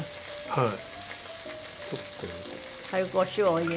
はい。